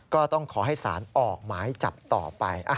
ก็ต้องขอให้สารออกหมายจับต่อไป